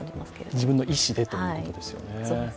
自分の意思でということですよね。